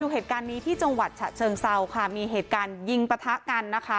เหตุการณ์นี้ที่จังหวัดฉะเชิงเซาค่ะมีเหตุการณ์ยิงปะทะกันนะคะ